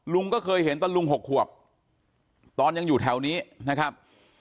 ลุงก็เคยเห็นตอนลุง๖ขวบตอนยังอยู่แถวนี้นะครับ